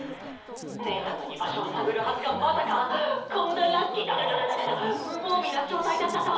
姐さんの居場所を探るはずがまさかこんなラッキー無防備な状態だったとは！